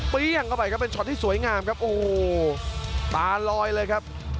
เข้าไปครับเป็นช็อตที่สวยงามครับโอ้โหตาลอยเลยครับ